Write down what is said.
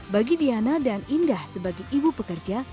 bagi diana dan indah sebagai ibu pekerja